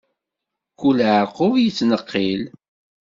Kul aɛerqub yettneqqil.